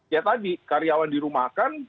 ya tadi karyawan dirumahkan